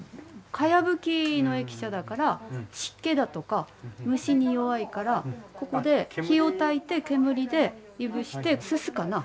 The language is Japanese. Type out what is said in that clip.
かやぶきの駅舎だから湿気だとか虫に弱いからここで火をたいて煙でいぶしてすすかな？